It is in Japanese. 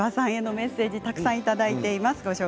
メッセージたくさんいただいています。